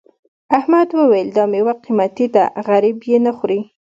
احمد وویل دا میوه قيمتي ده غريب یې نه خوري.